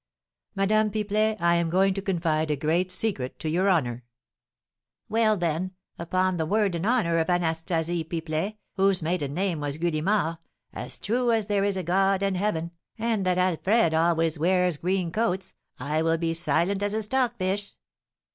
"Madame Pipelet, I am going to confide a great secret to your honour." "Well, then, upon the word and honour of Anastasie Pipelet, whose maiden name was Gulimard, as true as there is a God and heaven, and that Alfred always wears green coats, I will be silent as a stockfish!"